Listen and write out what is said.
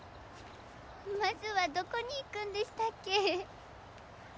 まずはどこに行くんでしたっけ？